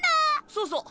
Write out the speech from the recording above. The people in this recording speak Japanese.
そうそう。